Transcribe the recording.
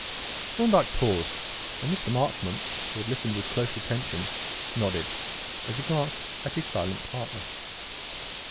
Thorndyke paused, and Mr. Marchmont, who had listened with close attention, nodded, as he glanced at his silent partner.